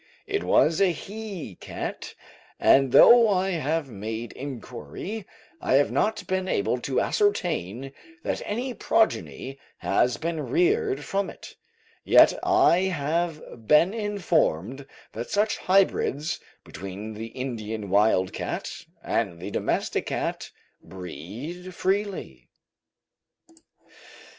It was a he cat, and though I have made inquiry, I have not been able to ascertain that any progeny has been reared from it, yet I have been informed that such hybrids between the Indian wild cat and the domestic cat breed freely.